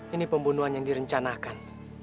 ini pembunuhan yang direncanakan